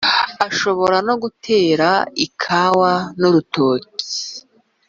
ashobora no gutera ikawa n’urutoki